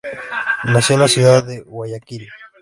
Nació en la ciudad de Guayaquil.